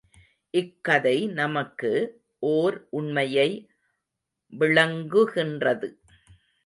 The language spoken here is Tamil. இக் கதை நமக்கு, ஓர் உண்மையை விளங்குகின்றது.